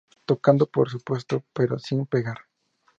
Tocando, por supuesto, pero sin pegar.